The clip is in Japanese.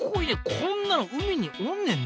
こんなの海におんねんね！